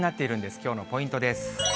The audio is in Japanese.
きょうのポイントです。